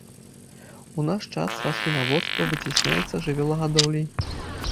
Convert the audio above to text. У наш час раслінаводства выцясняецца жывёлагадоўляй.